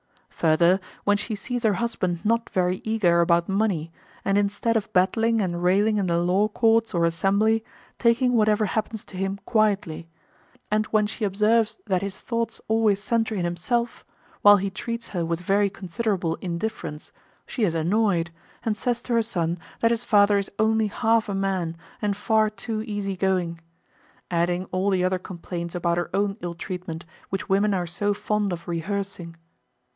Further, when she sees her husband not very eager about money, and instead of battling and railing in the law courts or assembly, taking whatever happens to him quietly; and when she observes that his thoughts always centre in himself, while he treats her with very considerable indifference, she is annoyed, and says to her son that his father is only half a man and far too easy going: adding all the other complaints about her own ill treatment which women are so fond of rehearsing.